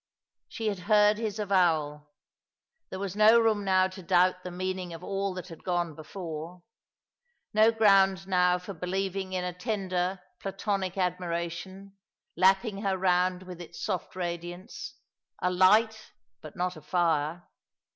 She had heard his avowal. There was no room now to doubt the meaning ^^ Love and Life mid Death!' 303 of all that had gone before, no ground now for believing in a tender, platonic admiration, lapping her round with its soft radiance— a light, but not a fire.